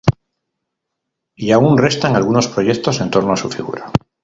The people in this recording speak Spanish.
Y aún restan algunos proyectos en torno a su figura.